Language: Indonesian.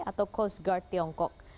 atau coast guard tiongkok